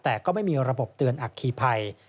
แต่ก็ไม่มีระบบเตือนอัคคีภัย